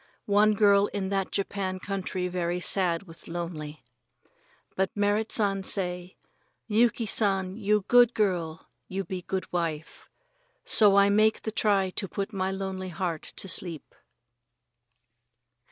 One girl in that Japanese country very sad with lonely. But Merrit San say: "Yuki San, you good girl, you be good wife." So I make the try to put my lonely heart to sleep.